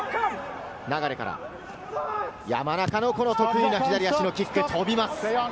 流から山中のこの得意の左足のキック、飛びます。